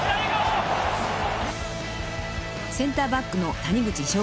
［センターバックの谷口彰悟選手